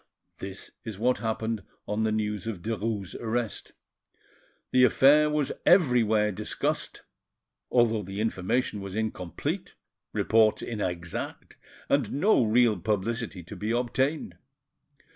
This is what happened on the news of Derues' arrest. The affair was everywhere discussed, although the information was incomplete, reports inexact, and no real publicity to be obtained.